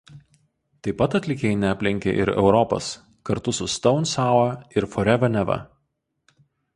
Taip pat atlikėjai neaplenkė ir Europos kartu su „Stone Sour“ ir „Forever Never“.